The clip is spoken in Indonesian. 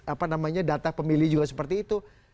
apa namanya data pemilih juga seperti itu